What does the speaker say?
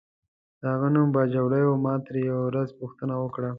د هغه نوم باجوړی و، ما ترې یوه ورځ پوښتنه وکړه.